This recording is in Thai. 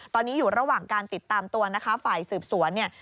ตอนนี้อยู่ระหว่างการติดตามตัวฝ่ายสืบสวน